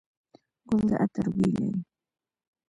ګل د عطر بوی لري.